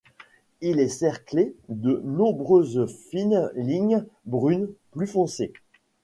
Il est cerclé de nombreuses fines lignes brunes plus foncées.